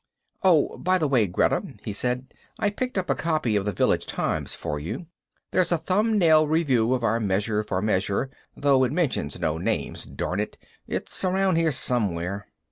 "Oh, by the way, Greta," he said, "I picked up a copy of The Village Times for you. There's a thumbnail review of our Measure for Measure, though it mentions no names, darn it. It's around here somewhere...."